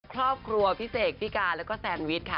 ครอบครัวพี่เสกพี่กาแล้วก็แซนวิชค่ะ